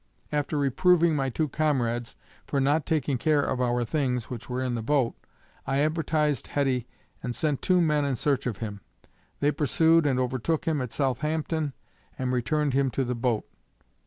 After reproving my two comrades for not taking care of our things which were in the boat, I advertised Heddy and sent two men in search of him. They pursued and overtook him at Southampton and returned him to the boat.